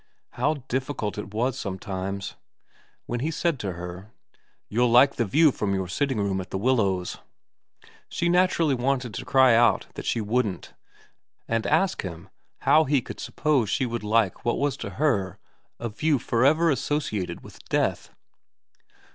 How difficult it was sometimes. When he said to her, ' You'll like the view from your sitting room at The Willows,' she naturally wanted to cry out that she wouldn't, and ask him how he could suppose she would like what was to her a view for ever associated with death